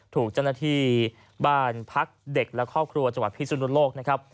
ถูกเจ้าหน้าที่บ้านพักเด็กและครอบครัวจังหวัดพิสุนโลกนะครับ